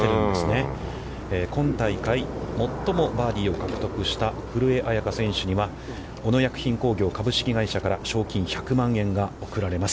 今大会、もっともバーディーを獲得した古江彩佳選手には、小野薬品工業株式会社から賞金１００万円が贈られます。